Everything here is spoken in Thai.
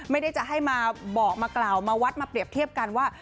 ไม่ได้จะให้มาบอกมากล่าวมาวัดมาเปรียบเทียบกันว่า